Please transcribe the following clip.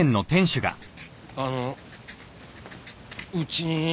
あのうちに何か？